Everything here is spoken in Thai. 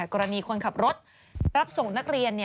คนขับรถรับส่งนักเรียน